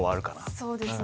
そうですね。